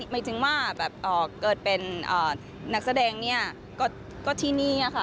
ไม่ถึงว่าเกิดเป็นนักแสดงคือก็ที่นี้ค่ะ